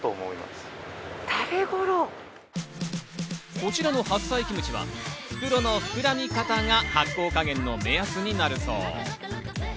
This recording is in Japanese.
こちらの白菜キムチは袋の膨らみ方が発酵加減の目安になるそう。